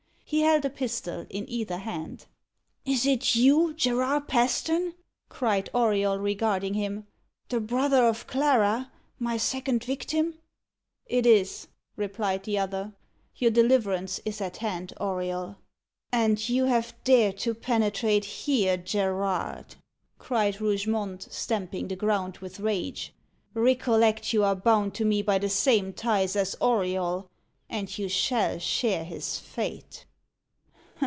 He held a pistol in either hand. "Is it you, Gerard Paston?" cried Auriol, regarding him; "the brother of Clara, my second victim!" "It is," replied the other. "Your deliverance is at hand, Auriol." "And you have dared to penetrate here, Gerard?" cried Rougemont, stamping the ground with rage. "Recollect, you are bound to me by the same ties as Auriol, and you shall share his fate."